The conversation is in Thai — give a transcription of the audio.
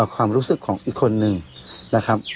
ความรู้สึกของอีกคนนึงนะครับ